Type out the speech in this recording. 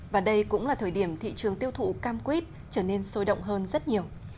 và đây cũng là thời điểm thị trường tiêu thụ cam quýt trở nên sôi động hơn rất nhiều